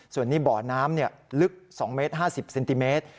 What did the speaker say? ส่วนนี้บ่อน้ำลึก๒เมตร๕๐เซนติเมตร